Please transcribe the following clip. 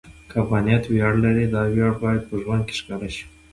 که افغانیت ویاړ لري، دا ویاړ باید په ژوند کې ښکاره شي.